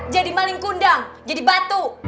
jadi maling kundang jadi batu